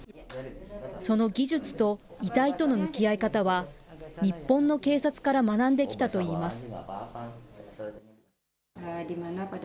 その技術と遺体との向き合い方は、日本の警察から学んできたといいます。